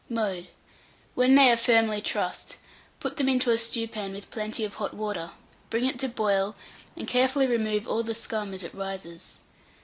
Mode. When, they are firmly trussed, put them into a stewpan with plenty of hot water; bring it to boil, and carefully remove all the scum as it rises.